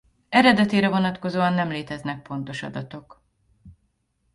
Eredetére vonatkozóan nem léteznek pontos adatok.